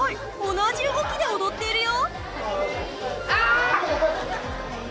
同じ動きで踊っているよ！